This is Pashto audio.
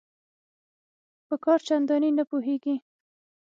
په کار چنداني نه پوهیږي